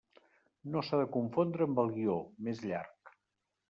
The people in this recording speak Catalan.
No s'ha de confondre amb el guió, més llarg.